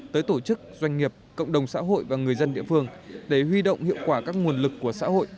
tới tổ chức doanh nghiệp cộng đồng xã hội và người dân địa phương để huy động hiệu quả các nguồn lực của xã hội